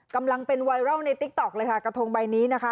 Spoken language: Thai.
กำลังเป็นไวรัลในเลยค่ะกระทงใบนี้นะคะ